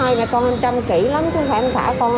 tại vì nhà em có hai con em chăm kỹ lắm chứ không phải em thả con